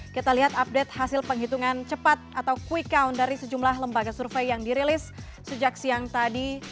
kita lihat update hasil penghitungan cepat atau quick count dari sejumlah lembaga survei yang dirilis sejak siang tadi